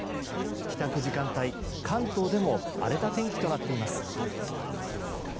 帰宅時間帯、関東でも荒れた天気となっています。